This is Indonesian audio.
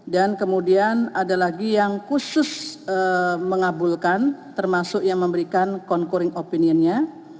dan kemudian ada lagi yang khusus mengabulkan termasuk yang memberikan concurring opinionnya